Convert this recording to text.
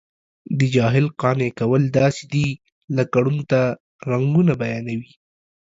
د جاهل قانع کول داسې دي لکه ړوند ته رنګونه بیانوي.